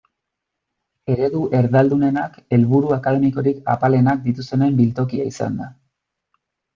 Eredu erdaldunenak helburu akademikorik apalenak dituztenen biltokia izan da.